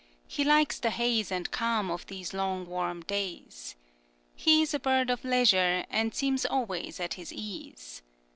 He likes the haze and calm of these long, warm days. He is a bird of leisure, and seems always at his ease.